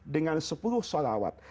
dengan sepuluh salawat